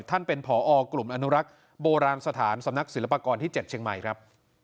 ท่านเป็นผอกลุ่มอนุรักษ์โบราณสถานสำนักศิลปากรที่๗เชียงใหม่ครับ